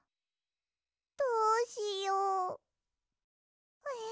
どうしよう。